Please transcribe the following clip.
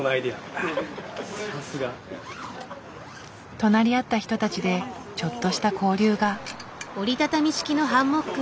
隣り合った人たちでちょっとした交流が。